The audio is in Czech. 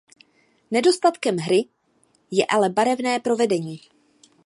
Nedostatkem hry je ale barevné provedení.